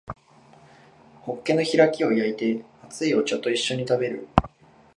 ホッケの開きを焼いて熱いお茶と一緒に食べる